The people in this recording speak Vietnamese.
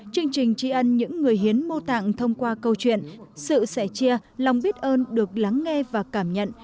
chương trình tri ân những người hiến mô tạng thông qua câu chuyện sự sẻ chia lòng biết ơn được lắng nghe và cảm nhận